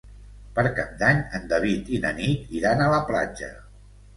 Per Cap d'Any en David i na Nit iran a la platja.